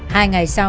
hai ngày sau